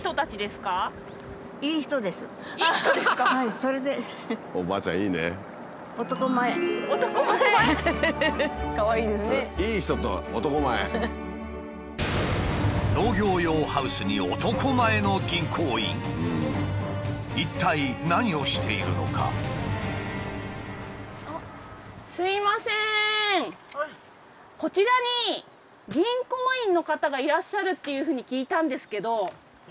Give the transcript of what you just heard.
こちらに銀行員の方がいらっしゃるっていうふうに聞いたんですけど。